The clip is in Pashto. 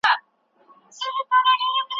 د سیاسي تنوع او افغاني ولسواکۍ درناوی وکړئ.